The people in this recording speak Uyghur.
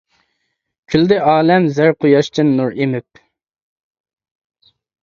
كۈلدى ئالەم زەر قۇياشتىن نۇر ئېمىپ.